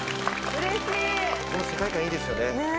この世界観いいですよねねえ